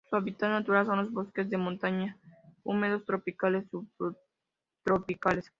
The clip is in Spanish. Su hábitats naturales son los bosques de montaña húmedos tropicales subtropicales.